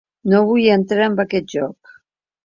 No vull entrar en aquest joc.